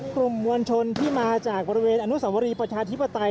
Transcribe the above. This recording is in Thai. กลุ่มมวลชนที่มาจากบริเวณอนุสวรีประชาธิปไตย